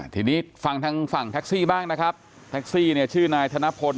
ทีนี้ฟังทางฝั่งแท็กซี่บ้างนะครับแท็กซี่เนี่ยชื่อนายธนพล